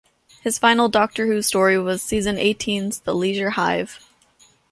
His final "Doctor Who" story was season eighteen's "The Leisure Hive".